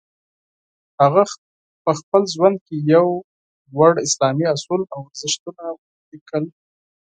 هغه په خپل ژوند کې یو لوړ اسلامي اصول او ارزښتونه وړاندې کړل.